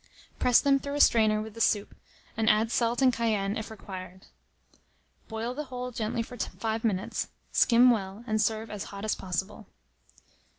Press them through a strainer with the soup, and add salt and cayenne if required. Boil the whole gently for 5 minutes, skim well, and serve as hot as possible.